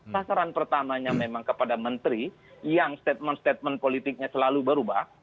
sasaran pertamanya memang kepada menteri yang statement statement politiknya selalu berubah